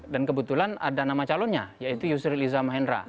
dan kebetulan ada nama calonnya yaitu yusri liza mahendra